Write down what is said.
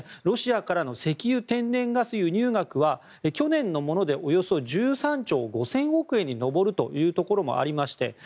ロシアからの石油・天然ガス輸入額は去年のものでおよそ１３兆５０００億円に上るということもありまして